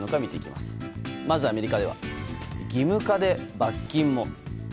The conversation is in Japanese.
まずアメリカでは義務化で罰金も。